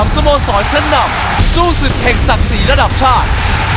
๑๓สโมสรชั้นนำสู้สึกเข็กศักดิ์สี่ระดับชาติ